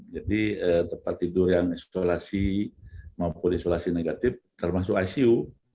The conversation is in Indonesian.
jadi tempat tidur yang isolasi maupun isolasi negatif termasuk icu